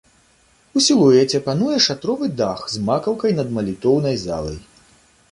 У сілуэце пануе шатровы дах з макаўкай над малітоўнай залай.